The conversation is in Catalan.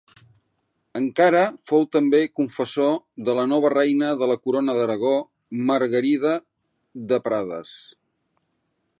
Encara fou també confessor de la nova reina de la Corona d’Aragó Margarida de Prades.